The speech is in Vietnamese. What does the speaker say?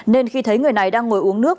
nên khi thấy người này đang ngồi uống nước